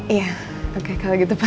iya oke kalau gitu pak